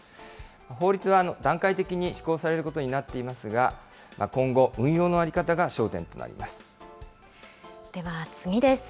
法律は段階的に施行されることになっていますが、今後、運用の在では次です。